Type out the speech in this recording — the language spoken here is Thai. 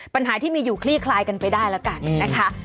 ปัญหาที่มีอยู่คลี่คลายกันไปได้แล้วกันนะคะ